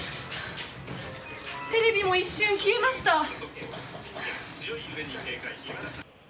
テレビも一瞬消えました。